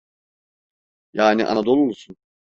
Yani Anadolulusun!